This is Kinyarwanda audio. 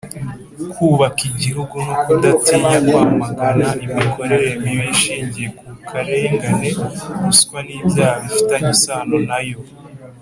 kubaka igihugu no kudatinya kwamagana imikorere mibi ishingiye ku karengane, ruswa n'ibyaha bifitanye isano na yo;